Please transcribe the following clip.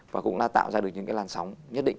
và cũng đã tạo ra được những cái làn sóng nhất định